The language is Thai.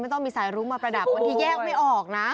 ต้องมีสายรุ้งมาประดับบางทีแยกไม่ออกนะ